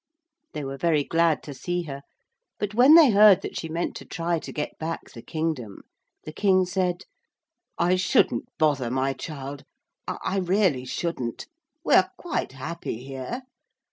They were very glad to see her, but when they heard that she meant to try to get back the kingdom, the King said: 'I shouldn't bother, my child, I really shouldn't. We are quite happy here.